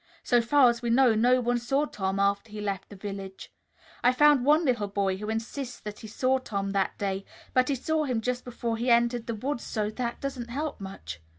So far as we know, no one saw Tom after he left the village. I found one little boy who insists that he saw Tom that day, but he saw him just before he entered the woods, so that doesn't help much.